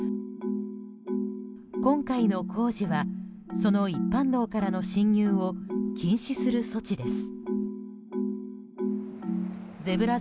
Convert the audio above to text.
今回の工事はその一般道からの進入を禁止する措置です。